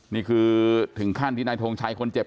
นี่คือถึงขั้นที่นายทงชัยคนเจ็บ